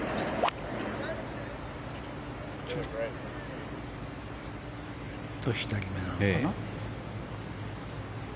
ちょっと左めなのかな。